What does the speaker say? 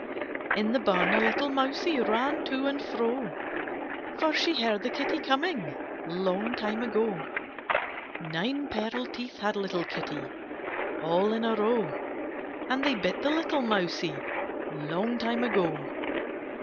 In the barn a little Mousie. Ran to and fro; For she heard the Kitty coming. Long time ago. Nine pearl teeth had little Kitty, All in a row; A BOOK OF TALES 36 And they bit the little Mousie, Long time ago.